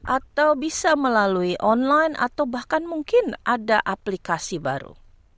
atau bisa melalui online atau bahkan mungkin ada aplikasi baru